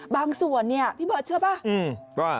บางส่วนพี่เบอร์เชื่อไหม